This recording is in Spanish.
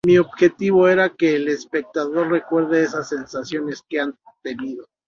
Mi objetivo era que el espectador recuerde esas sensaciones que ha tenido.